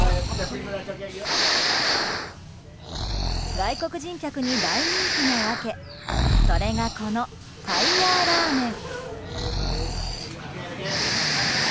外国人客に大人気の訳それがファイヤーラーメン。